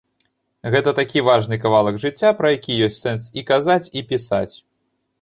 І гэта такі важны кавалак жыцця, пра які ёсць сэнс і казаць, і пісаць.